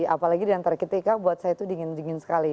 apalagi di antartika buat saya itu dingin dingin sekali